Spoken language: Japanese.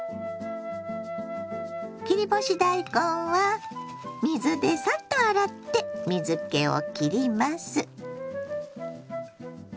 切り干し大根は水でサッと洗って水けをきります。